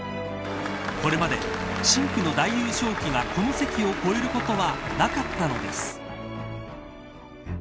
これまで、深紅の大優勝旗がこの関を越えることはなかったのです。